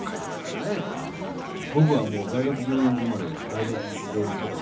僕はもう大学病院生まれ大学病院育ち。